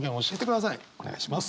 お願いします。